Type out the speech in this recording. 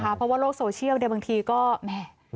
เพราะว่าโรคโซเชียลเนี่ยบางทีก็แหม่